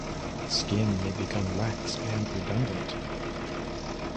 Skin may become lax and redundant.